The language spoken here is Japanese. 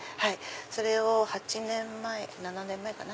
それを８年前７年前かな。